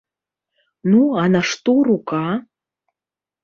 Ну, а на што рука?